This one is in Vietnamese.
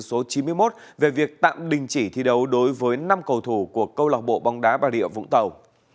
số chín mươi một về việc tạm đình chỉ thi đấu đối với năm cầu thủ của câu lạc bộ bóng đá bà rịa vũng tàu